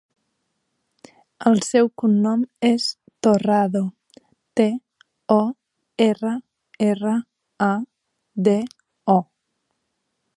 El seu cognom és Torrado: te, o, erra, erra, a, de, o.